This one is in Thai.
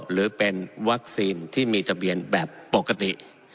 หรือเป็นวัคซีนที่มีทะเบียนแบบปกติ